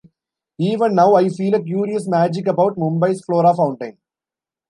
Even now I feel a curious magic about Mumbai's Flora Fountain.